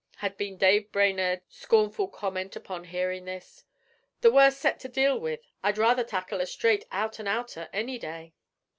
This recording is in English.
had been Dave Brainerd's scornful comment upon hearing this. 'The worst set to deal with; I'd rather tackle a straight out and outer any day.'